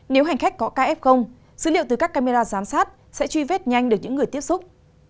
nếu hành khách có kf dữ liệu từ các camera giám sát sẽ truy vết nhanh được những người tiếp xúc